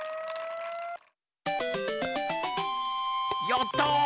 やった！